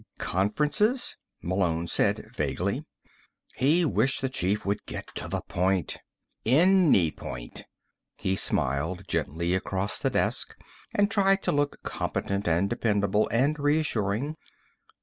"Conferences?" Malone said vaguely. He wished the chief would get to the point. Any point. He smiled gently across the desk and tried to look competent and dependable and reassuring.